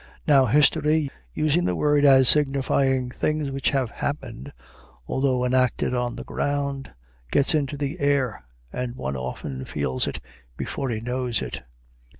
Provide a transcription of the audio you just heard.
Now, history, using the word as signifying things which have happened, although enacted on the ground, gets into the air, and one often feels it before he knows it.